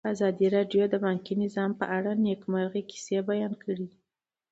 ازادي راډیو د بانکي نظام په اړه د نېکمرغۍ کیسې بیان کړې.